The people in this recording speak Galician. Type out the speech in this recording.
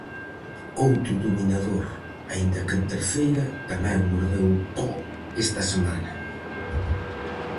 Outro dominador, aínda que en terceira, tamén mordeu o po esta semana.